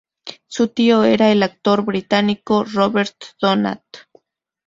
Su tío era el actor británico Robert Donat.